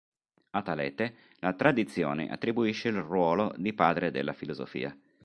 A Talete la tradizione attribuisce il ruolo di padre della filosofia.